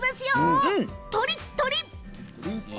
とりっとり！